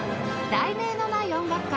『題名のない音楽会』